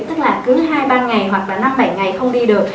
tức là cứ hai ba ngày hoặc là năm bảy ngày không đi được